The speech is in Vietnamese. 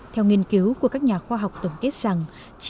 theo nghiên cứu của các nhà khoa học tổng kết rằng